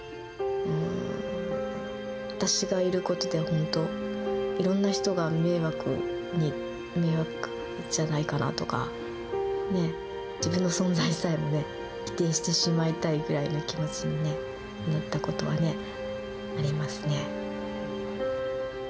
私がいることで本当、いろんな人が迷惑じゃないかなとか、自分の存在さえもね、否定してしまいたいぐらいの気持ちになったことはありますね。